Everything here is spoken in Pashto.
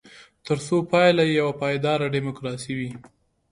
ترڅو پایله یې یوه پایداره ډیموکراسي وي.